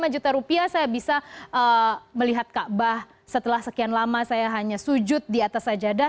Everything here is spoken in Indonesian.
empat belas lima juta rupiah saya bisa melihat kak bah setelah sekian lama saya hanya sujud di atas sajadah